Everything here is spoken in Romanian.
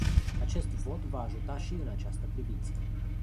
Acest vot va ajuta și în această privință.